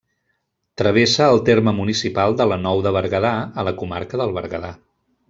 Travessa el terme municipal de La Nou de Berguedà, a la comarca del Berguedà.